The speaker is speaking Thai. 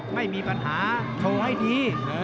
ไม่มีปัญหาโชว์ให้ดี